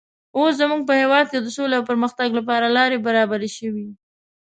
اوس زموږ په هېواد کې د سولې او پرمختګ لپاره لارې برابرې شوې.